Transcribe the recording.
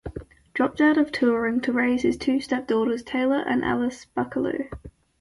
Dropped out of touring to raise his two step daughters Taylor and Alexis Buckallew.